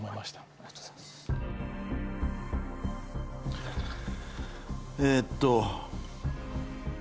ありがとうございますえっと